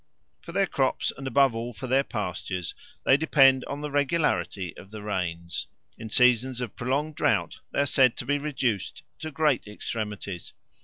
For their crops and above all for their pastures they depend on the regularity of the rains: in seasons of prolonged drought they are said to be reduced to great extremities.